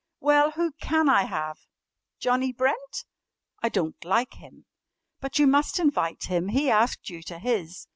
"Well, who can I have?" "Johnnie Brent?" "I don't like him." "But you must invite him. He asked you to his."